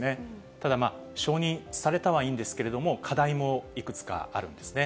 ただまあ、承認されたはいいんですけれども、課題もいくつかあるんですね。